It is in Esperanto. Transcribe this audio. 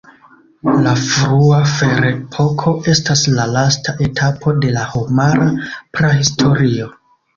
La frua ferepoko estas la lasta etapo de la homara prahistorio.